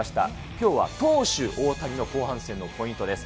きょうは投手、大谷の後半戦のポイントです。